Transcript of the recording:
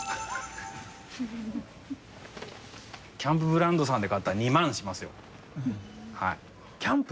キャンプブランドさんで買ったら２万しますよ。